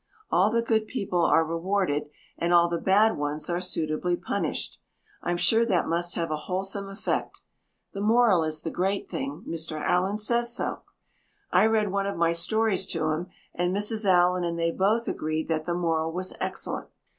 All the good people are rewarded and all the bad ones are suitably punished. I'm sure that must have a wholesome effect. The moral is the great thing. Mr. Allan says so. I read one of my stories to him and Mrs. Allan and they both agreed that the moral was excellent.